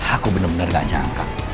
aku benar benar gak nyangka